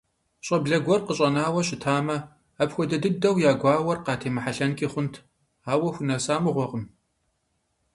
ЩӀэблэ гуэр къыщӀэнауэ щытамэ, апхуэдэ дыдэу я гуауэр къатемыхьэлъэнкӀи хъунт, ауэ хунэса мыгъуэкъым…